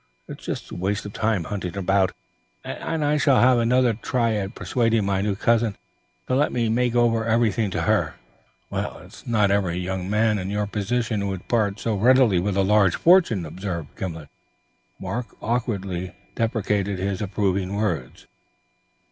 It's just waste of time hunting about, and I shall have another try at persuading my new cousin to let me make over everything to her." "It is not every young man in your position who would part so readily with a large fortune," observed Gimblet. But Mark awkwardly deprecated his approving words.